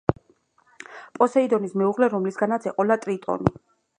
პოსეიდონის მეუღლე რომლისგანაც ეყოლა ტრიტონი.